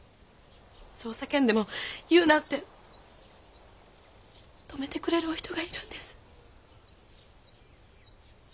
そう叫んでも言うなって止めてくれるお人がいるんです。